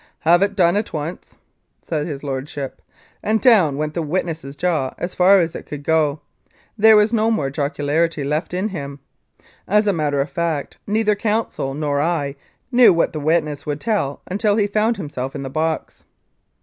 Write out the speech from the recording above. "Have it done at once," said his lordship, and down went the witness's jaw as far as it could go there was no more jocularity left in him. As a matter of fact, neither counsel nor I knew what the witness would tell until he found himself in the box.